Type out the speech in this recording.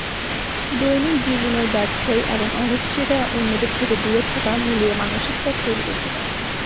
দৈনন্দিন জীবনের ব্যত্যয় এবং অনিশ্চয়তা অন্যদের থেকে দূরে থাকা মিলিয়ে মানসিক চাপ তৈরি করতে পারে।